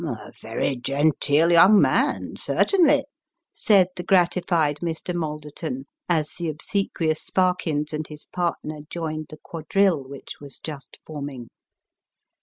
" A very genteel young man, certainly !" said the gratified Mr. Malderton, as the obsequious Sparkins and his partner joined the quadrille which was just forming.